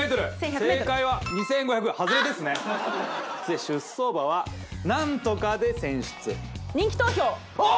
正解は２５００ハズレですね出走馬は何とかで選出人気投票ああ！